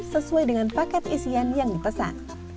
sesuai dengan paket isian yang dipesan